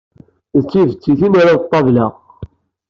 D d tibettit i nerra d ṭṭabla.